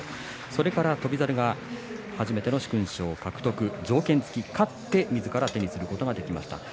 そして翔猿が初めての殊勲賞を獲得条件付き勝って手にすることができました。